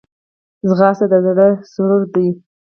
ځغاسته د زړه سرور ده